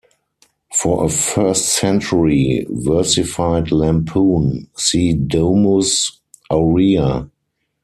For a first-century versified lampoon, see Domus Aurea.